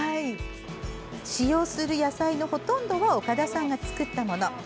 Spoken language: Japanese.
使用する野菜のほとんどは岡田さんが作ったもの。